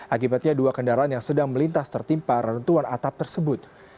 akibatnya dua kendaraan yang sedang melintas tertimpa reruntuhan atap tersebut